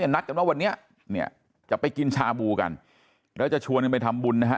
นัดกันว่าวันนี้เนี่ยจะไปกินชาบูกันแล้วจะชวนกันไปทำบุญนะฮะ